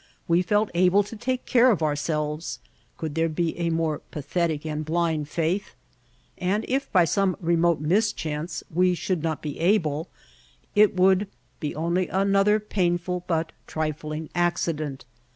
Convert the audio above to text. We felt able to take care of ourselves — could there be a more pathetic and blind faith? — and if by some re mote mischance we should not be able, it would be only another painful but trifling accident.